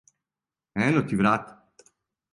Ено ти врата.